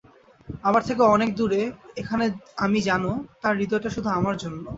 আমার থেকে অনেক দূরে, এখানে আমি জানো, তার হৃদয়টা শুধু আমার জন্য।